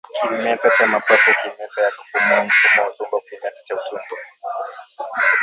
kimeta cha mapafu kimeta ya kupumua au mfumo wa utumbo kimeta cha utumbo